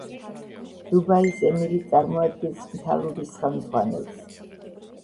დუბაის ემირი წარმოადგენს მთავრობის ხელმძღვანელს.